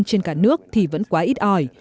trên cả nước thì vẫn quá ít ỏi